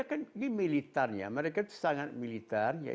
iya karena mereka kan ini militernya mereka sangat militernya